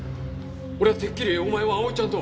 俺はてっきりお前は蒼ちゃんと。